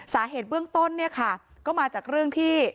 สาเหตุเบื้องต้นเนี่ยค่ะก็มาจากเรื่องที่